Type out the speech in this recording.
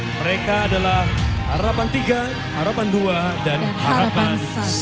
mereka adalah harapan tiga harapan dua dan harapan satu